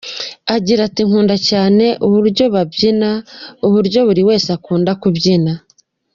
Agira ati “Nkunda cyane uburyo babyina, uburyo buri wese akunda kubyina.